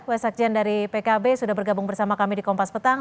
wasakjen dari pkb sudah bergabung bersama kami di kompas petang